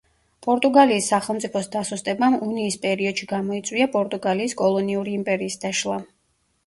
პორტუგალიის სახელმწიფოს დასუსტებამ უნიის პერიოდში გამოიწვია პორტუგალიის კოლონიური იმპერიის დაშლა.